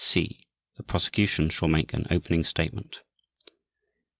(c) The Prosecution shall make an opening statement.